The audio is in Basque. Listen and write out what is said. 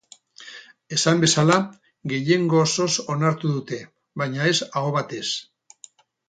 Esan bezala, gehiengo osoz onartu dute, baina ez aho batez.